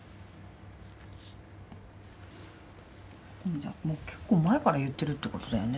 じゃ結構前から言ってるってことだよね